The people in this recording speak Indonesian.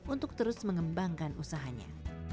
untuk terus mengembangkan usahanya